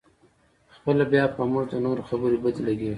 خپله بیا په موږ د نورو خبرې بدې لګېږي.